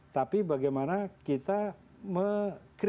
tapi bagaimana kita membuat